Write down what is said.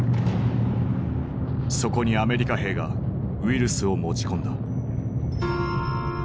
そこにアメリカ兵がウイルスを持ち込んだ。